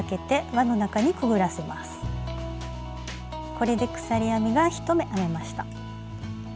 これで鎖編みが１目編めました。